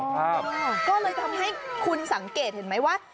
ก็เลยทำให้คุณสังเกตเห็นไหมว่า